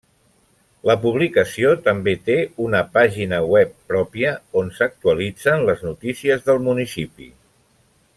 La publicació també té una pàgina web pròpia, on s'actualitzen les notícies del municipi.